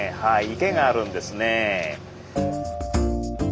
池があるんですね。